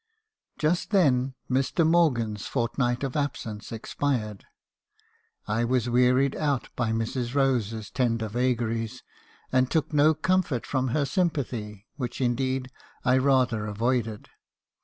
Just then Mr. Morgan's fortnight of absence expired. I was wearied out by Mrs. Rose's tender vagaries, and took no comfort from her sympathy, which indeed I rather avoided.